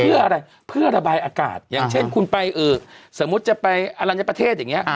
เพื่ออะไรเพื่อระบายอากาศอย่างเช่นคุณไปสมมุติจะไปอลัญญประเทศอย่างนี้